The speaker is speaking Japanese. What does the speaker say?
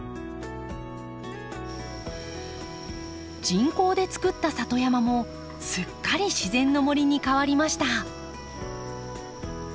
人工でつくった里山もすっかり自然の森に変わりました。